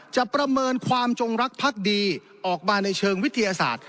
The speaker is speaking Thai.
ประเมินความจงรักพักดีออกมาในเชิงวิทยาศาสตร์